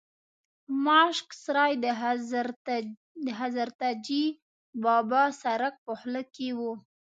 ماشک سرای د حضرتجي بابا سرک په خوله کې و.